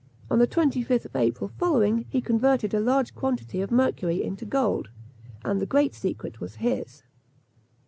On the 25th April following, he converted a large quantity of mercury into gold, and the great secret was his.